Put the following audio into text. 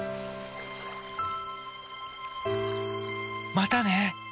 またね！